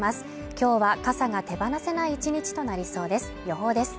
今日は傘が手放せない１日となりそうです予報です